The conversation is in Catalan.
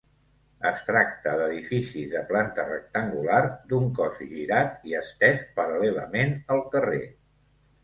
Es tracta d'edificis de planta rectangular, d'un cos girat i estès paral·lelament al carrer.